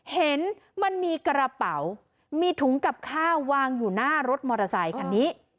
เห็นมันมีกระเป๋ามีถุงกับข้าววางอยู่หน้ารถมอเตอร์ไซคันนี้